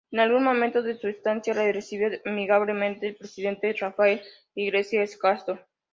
En algún momento de su estancia le recibió amigablemente el Presidente Rafael Yglesias Castro.